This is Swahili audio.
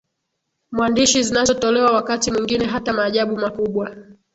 mwandishi zinazotolewa Wakati mwingine hata maajabu makubwa